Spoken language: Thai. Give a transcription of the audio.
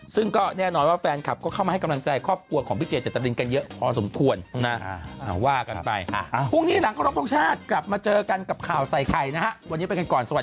ซึ่งก็แน่นอนว่าแฟนครับเข้ามาให้